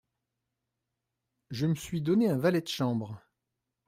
Je me suis donné un valet de chambre.